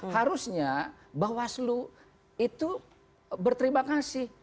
harusnya bahwa aslu itu berterima kasih